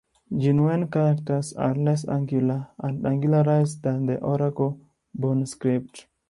Jinwen characters are less angular and angularized than the oracle bone script.